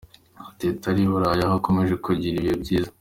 Teta ari i Burayi aho akomeje kugirira ibihe byiza.